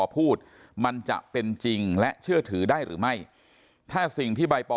พูดมันจะเป็นจริงและเชื่อถือได้หรือไม่ถ้าสิ่งที่ใบปอ